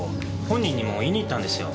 本人にも言いに行ったんですよ。